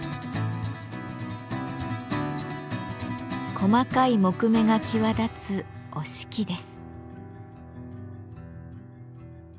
細かい木目が際立つ折敷です。